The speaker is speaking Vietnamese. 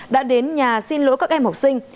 đã đến nhà xin lỗi các em học sinh